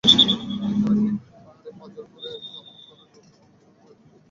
দেখতে পাবেন বৃক্ষহীন পাহাড়ের পাঁজর ফুঁড়ে ঝলমল করা হ্রদ এবং ওয়াইল্ডাবিস্টের পাল।